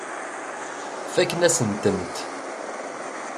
Fakken-asent-tent.